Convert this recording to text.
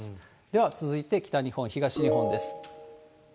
では続いて、北日本、東日本です。